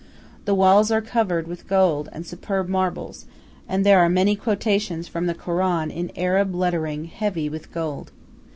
The walls are covered with gold and superb marbles, and there are many quotations from the Koran in Arab lettering heavy with gold.